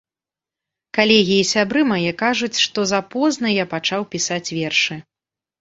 Калегі і сябры мае кажуць, што запозна я пачаў пісаць вершы.